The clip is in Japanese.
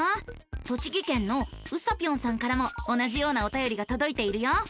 栃木県のうさぴょんさんからも同じようなおたよりがとどいているよ。